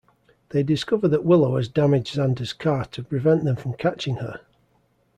They discover that Willow has damaged Xander's car to prevent them from catching her.